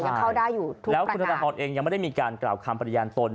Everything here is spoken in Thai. ยังเข้าได้อยู่ถูกแล้วคุณธนทรเองยังไม่ได้มีการกล่าวคำปฏิญาณตน